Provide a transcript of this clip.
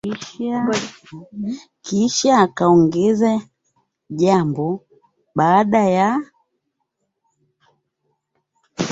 Kisha akaongeza kwamba jambo ambalo